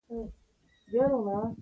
غرونه د افغانستان طبیعي ښکلا ده.